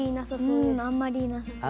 うんあんまりいなさそう。